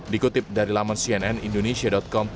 dikutip dari laman cnn indonesia com